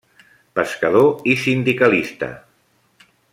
Pescador i sindicalista.